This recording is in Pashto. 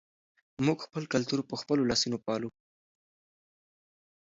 موږ خپل کلتور په خپلو لاسونو پالو.